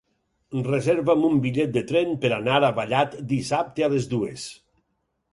Reserva'm un bitllet de tren per anar a Vallat dissabte a les dues.